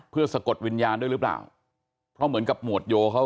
เพื่อสะกดวิญญาณด้วยหรือเปล่าเพราะเหมือนกับหมวดโยเขา